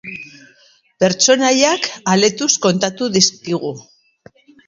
Pertsonaiak aletuz kontatu dizkigu.